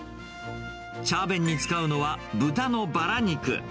チャー弁に使うのは豚のバラ肉。